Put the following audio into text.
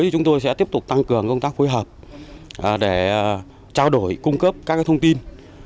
chúng tôi sẽ tiếp tục tăng cường công tác phối hợp để trao đổi cung cấp các thông tin